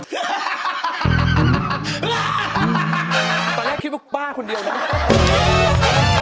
ตอนแรกคิดว่าบ้าคนเดียวนะ